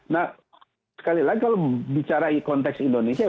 nah sekali lagi kalau bicara konteks indonesia